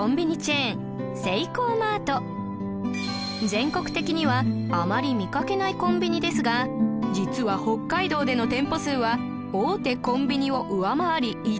全国的にはあまり見かけないコンビニですが実は北海道での店舗数は大手コンビニを上回り１位